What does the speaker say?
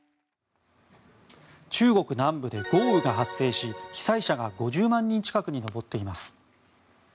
中国南部で豪雨が発生し被災者が５０万人近くに上っています。